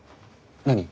何？